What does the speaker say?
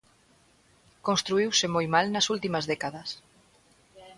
Construíuse moi mal nas últimas décadas.